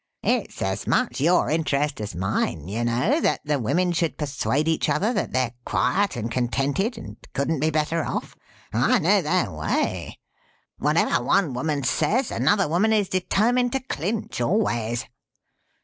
It's as much your interest as mine, you know, that the women should persuade each other that they're quiet and contented, and couldn't be better off. I know their way. Whatever one woman says, another woman is determined to clinch, always.